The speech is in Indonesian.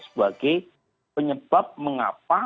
sebagai penyebab mengapa